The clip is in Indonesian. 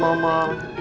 selamat ulang tahun mama